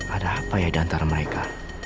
ada apa ya di antara mereka